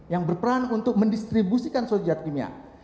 yang berperan untuk mendistribusikan suatu zat kimia